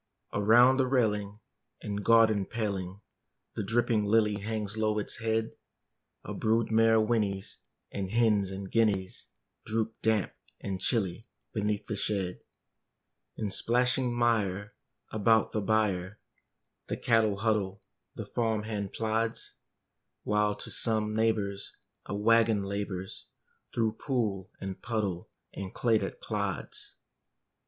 Around the railing and garden paling The dripping lily hangs low its head: A brood mare whinnies; and hens and guineas Droop, damp and chilly, beneath the shed. In splashing mire about the byre The cattle huddle, the farm hand plods; While to some neighbor's a wagon labors Through pool and puddle and clay that clods.